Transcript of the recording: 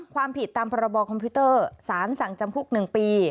ความผิดตามพรบคอมพิวเตอร์สารสั่งจำคุก๑ปี